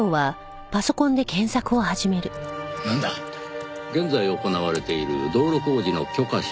なんだ？現在行われている道路工事の許可申請リストです。